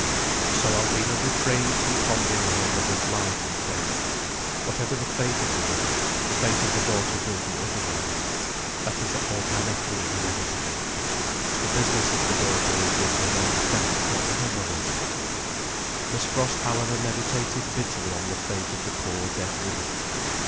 So Alvina refrained from pondering on her mother's life and fate. Whatever the fate of the mother, the fate of the daughter will be otherwise. That is organically inevitable. The business of the daughter is with her own fate, not with her mother's. Miss Frost however meditated bitterly on the fate of the poor dead woman.